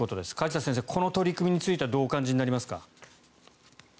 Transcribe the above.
梶田先生この取り組みについてはどうお感じになりますか？